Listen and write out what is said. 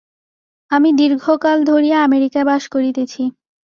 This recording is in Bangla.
আমি দীর্ঘকাল ধরিয়া আমেরিকায় বাস করিতেছি।